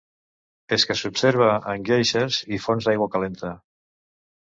És el que s'observa en guèisers i fonts d'aigua calenta.